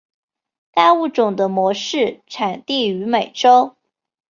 该物种的模式产地在美洲。